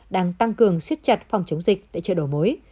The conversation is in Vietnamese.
đang tăng cường siết chặt phòng chống dịch tại chợ đầu mối